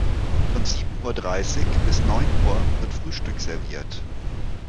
Von sieben Uhr dreißig bis neun Uhr wird Frühstück serviert.